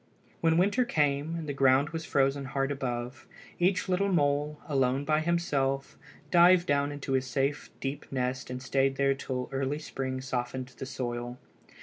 When winter came, and the ground was frozen hard above, each little mole, alone by himself, dived down into his safe deep nest and stayed there till early spring softened the soil.